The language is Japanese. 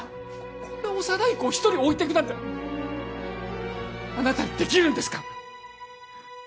こんな幼い子を一人置いてくなんてあなたにできるんですか？